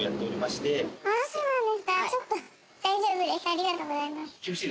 ありがとうございます。